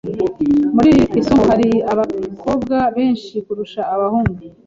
Muri iri somo hari abakobwa benshi kurusha abahungu.